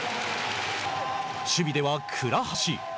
守備では倉橋。